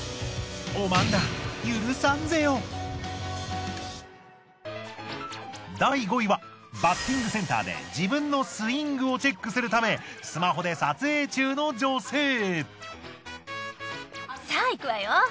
おまんら第５位はバッティングセンターで自分のスイングをチェックするためスマホで撮影中の女性。